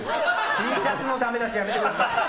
Ｔシャツのダメ出しやめてください。